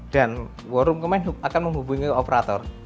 dan warung command hub akan menghubungi operator